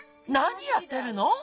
なにやってるの？